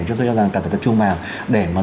chúng tôi cho rằng cần phải tập trung vào để mà